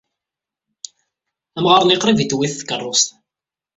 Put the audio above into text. Amɣar-nni qrib i t-twit tkeṛṛust.